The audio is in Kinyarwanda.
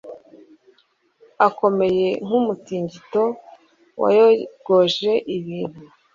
akomeye nk'umutingito wayogoje ibintu